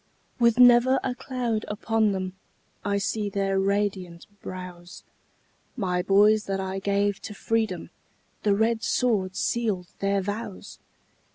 With never a cloud upon them, I see their radiant brows; My boys that I gave to freedom, The red sword sealed their vows!